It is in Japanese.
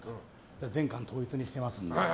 って全館統一にしてますんで。